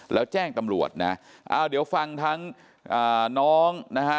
แล้วแจ้งตำรวจนะอ้าวเดี๋ยวฟังทั้งน้องนะฮะ